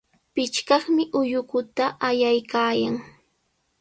Pichqaqmi ullukuta allaykaayan.